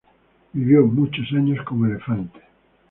Vivió muchos años como elefante.